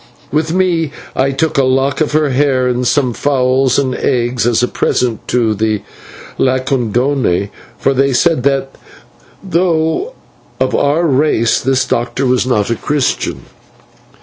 With me I took a lock of her hair, and some fowls and eggs as a present to the /Lacandone/, for they said that, though of our race, this doctor was not a Christian.